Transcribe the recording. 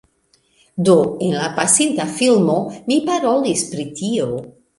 Do en la pasinta filmo mi parolis pri tio